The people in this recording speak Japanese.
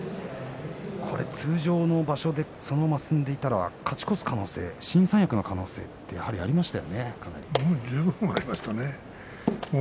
通常の場所でそのまま勝ち進んでいたら勝ち越す可能性新三役の可能性もありましたね。